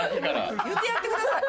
言ってやってください。